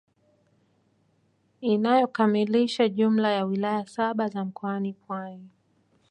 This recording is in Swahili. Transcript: Inayokamilisha jumla ya wilaya saba za mkoa wa Pwani